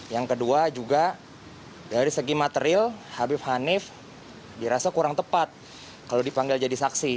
yang kedua juga dari segi material habib hanif dirasa kurang tepat kalau dipanggil jadi saksi